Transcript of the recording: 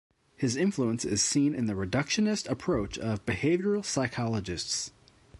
His influence is seen in the reductionist approach of behavioral psychologists.